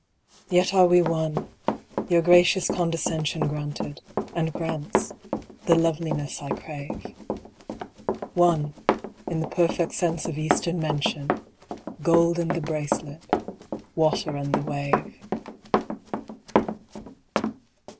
Yet are we one; Your gracious condescension Granted, and grants, the loveliness I crave. One, in the perfect sense of Eastern mention, "Gold and the Bracelet, Water and the Wave."